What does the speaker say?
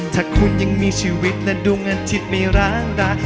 ถ้าคุณยังมีชีวิตและดูเงินจิตไม่ร้างรัก